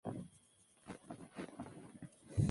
No obstante, fracasó al no ingresar a ninguna lista europea.